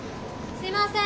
すいません